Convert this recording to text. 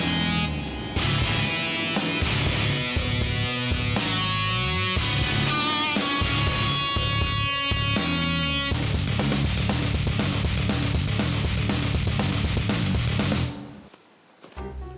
oke didengar ngeritar dikamu